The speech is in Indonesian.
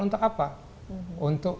untuk apa untuk